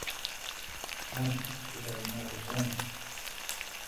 مہ تی ڄھل نٹ بون۔